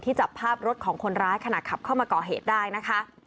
จับภาพรถของคนร้ายขณะขับเข้ามาก่อเหตุได้นะคะ